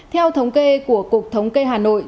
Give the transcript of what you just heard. theo thống kê của cục thống kê hà nội